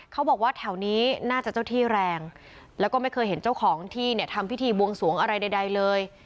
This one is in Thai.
เขาบอกว่าแถวนี้น่าจะเจ้าที่แรงแล้วก็ไม่เคยเห็นเจ้าของที่เนี่ยทำพิธีบวงสวงอะไรใดเลย